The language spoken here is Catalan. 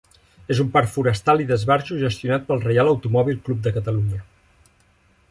És un parc forestal i d'esbarjo gestionat pel Reial Automòbil Club de Catalunya.